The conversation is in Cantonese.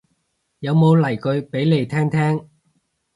有冇例句俾嚟聽聽